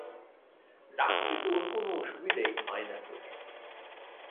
রাগতে তো কোনো অসুবিধাই হয় না তোর।